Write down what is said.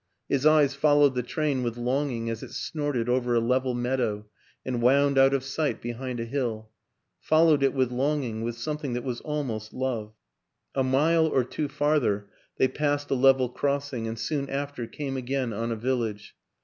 His eyes followed the train with longing as it snorted over a level meadow and wound out of sight behind a hill followed it with longing, with something that was almost love. A mile or two farther they passed a level cross ing and soon after came again on a village.